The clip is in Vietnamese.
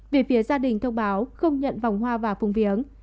về phía gia đình thông báo không nhận vòng hoa vào phung viếng